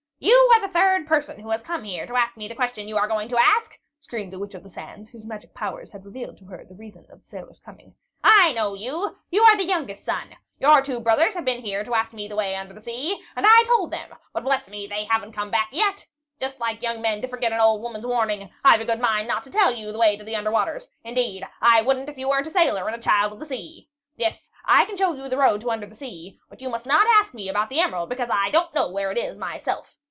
"You are the third person who has come here to ask me the question you are going to ask," screamed the Witch of the Sands, whose magic powers had revealed to her the reason of the sailor's coming. "I know you! You are the youngest son. Your two brothers have been here to ask me the way under the sea, and I told them; but bless me, they have n't come back yet. Just like young men to forget an old woman's warning. I've a good mind not to tell you the way to the under waters; indeed, I would n't if you were n't a sailor and a child of the sea. Yes, I can show you the road to under the sea; but you must not ask me about the emerald, because I don't know where it is myself.